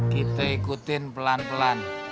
kita ikutin pelan pelan